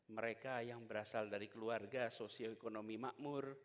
mereka yang berasal dari keluarga sosioekonomi makmur